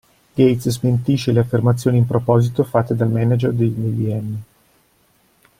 Gates smentisce le affermazioni in proposito fatte dal manager dell'IBM.